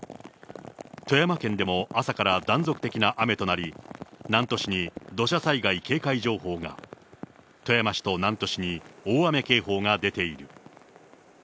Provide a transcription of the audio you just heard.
富山県でも朝から断続的な雨となり、南砺市に土砂災害警戒情報が、富山市と南砺市に大雨警報が出ている。